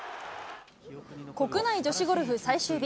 国内女子ゴルフ最終日。